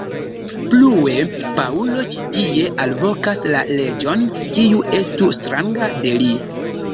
Plue, Paŭlo ĉi tie alvokas la leĝon, kiu estu stranga de li.